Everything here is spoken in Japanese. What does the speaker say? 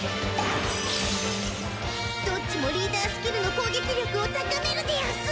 どっちもリーダースキルの攻撃力を高めるでヤンス！